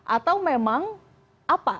atau memang apa